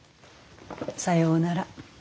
さようなら。